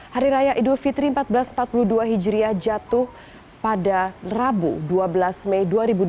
hari raya idul fitri seribu empat ratus empat puluh dua hijriah jatuh pada rabu dua belas mei dua ribu dua puluh